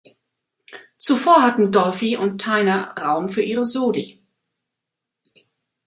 Zuvor hatten Dolphy und Tyner Raum für ihre Soli.